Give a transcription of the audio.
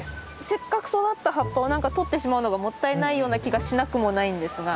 せっかく育った葉っぱを何かとってしまうのがもったいないような気がしなくもないんですが。